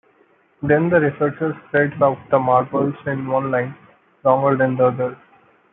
Then the researcher spreads out the marbles in one line, longer than the other.